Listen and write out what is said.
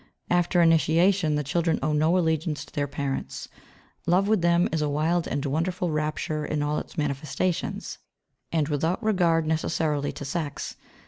After initiation the children owe no allegiance to their parents. Love with them is a wild and wonderful rapture in all its manifestations, and without regard necessarily to sex.